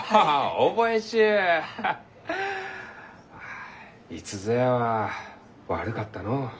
あいつぞやは悪かったのう。